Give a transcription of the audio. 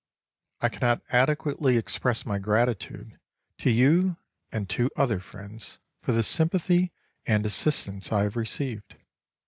I cannot adequately express my gratitude to you and to other friends for the sympathy and assistance I have received.